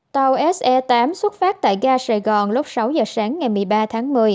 tàu se tám xuất phát tại ga sài gòn lúc sáu giờ sáng ngày một mươi ba tháng một mươi